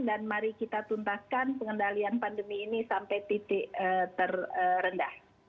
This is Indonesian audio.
dan mari kita tuntaskan pengendalian pandemi ini sampai titik terendah